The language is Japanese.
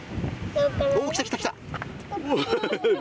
来た、来た、来た。